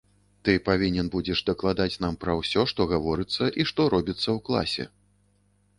Ты павінен будзеш дакладаць нам пра ўсё, што гаворыцца і што робіцца ў класе.